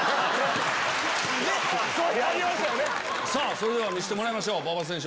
それでは見せてもらいましょう馬場選手